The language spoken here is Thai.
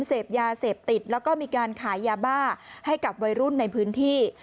เสพยาเสพติดแล้วก็มีการขายยาบ้าให้กับวัยรุ่นในพื้นที่